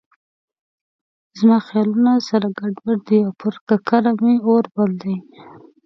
زما خیالونه سره ګډ وډ دي او پر ککره مې اور بل دی.